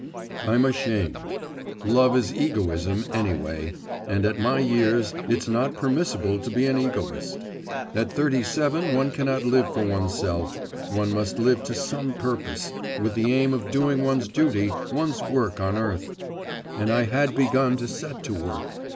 I'm ashamed.… Love is egoism any way; and at my years it's not permissible to be an egoist; at thirty seven one cannot live for oneself; one must live to some purpose, with the aim of doing one's duty, one's work on earth. And I had begun to set to work.